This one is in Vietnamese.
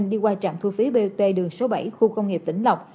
đi qua trạm thu phí bot đường số bảy khu công nghiệp tỉnh lọc